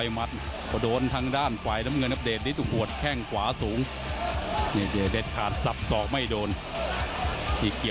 หมดยกที่สอง